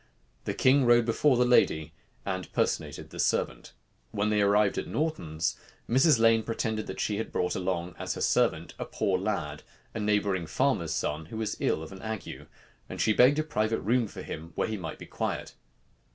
The king rode before the lady, and personated the servant. When they arrived at Norton's, Mrs. Lane pretended that she had brought along, as her servant, a poor lad, a neighboring farmer's son, who was ill of an ague; and she begged a private room for him, where he might be quiet.